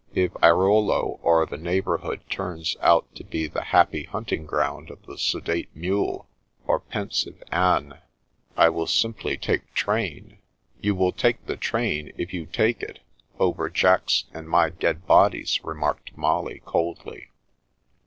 " If Airolo or the neighbourhood turns out to be the happy hunting ground of the sedate mule or pensive ane, I will simply take train "" You will take the train, if you take it, over Jack's and my dead bodies," remarked Molly coldly.